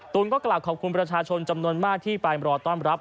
ก็กล่าวขอบคุณประชาชนจำนวนมากที่ไปรอต้อนรับ